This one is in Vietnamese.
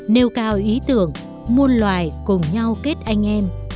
nêu cao ý tưởng muôn loài cùng nhau kết anh em